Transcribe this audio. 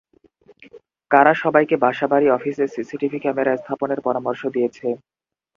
কারা সবাইকে বাসাবাড়ি, অফিসে সিসিটিভি ক্যামেরা স্থাপনের পরামর্শ দিয়েছে?